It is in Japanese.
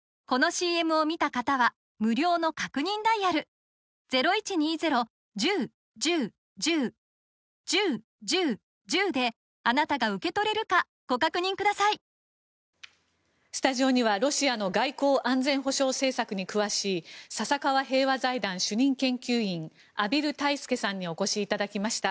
実はウメロフ氏はクリミア半島の先住民であるスタジオにはロシアの外交・安全保障政策に詳しい笹川平和財団主任研究員畔蒜泰助さんにお越しいただきました。